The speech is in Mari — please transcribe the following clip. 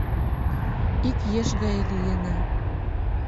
Ик еш гае лийына